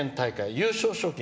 優勝賞金